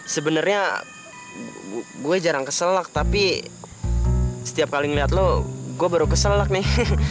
sebenarnya gue jarang keselak tapi setiap kali ngeliat lo gue baru keselak nih